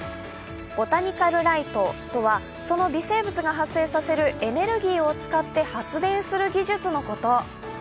ボタニカルライトとは、その微生物が発生させるエネルギーを使って発電する技術のこと。